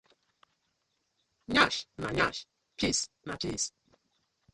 Yansh na yansh piss na piss.